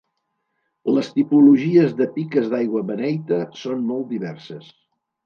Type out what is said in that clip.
Les tipologies de piques d'aigua beneita són molt diverses.